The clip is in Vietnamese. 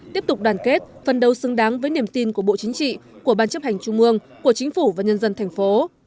tiếp tục đoàn kết phân đấu xứng đáng với niềm tin của bộ chính trị của ban chấp hành trung mương của chính phủ và nhân dân thành phố